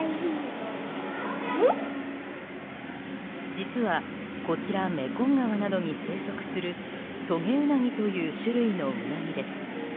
実は、こちらメコン川などに生息するトゲウナギという種類のウナギです。